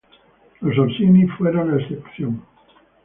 Los Orsini fueron la excepción.